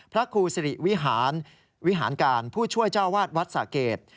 พระครูสิริวิหารวิหารการผู้ช่วยเจ้าวาดวัดสะเกด